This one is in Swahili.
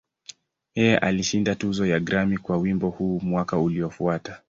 Yeye alishinda tuzo ya Grammy kwa wimbo huu mwaka uliofuata.